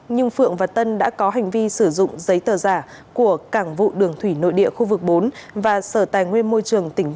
nhưng phượng và tân đã có hành vi sử dụng giấy tờ giả của cảng vụ đường thủy nội địa khu vực bốn